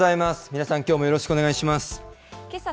皆さん、きょうもよろしくお願いけさ